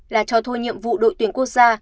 là cho thôi nhiệm vụ đội tuyển quốc gia